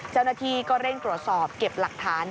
เจ้าหน้าที่ก็เร่งตรวจสอบเก็บหลักฐาน